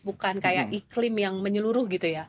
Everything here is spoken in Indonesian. bukan kayak iklim yang menyeluruh gitu ya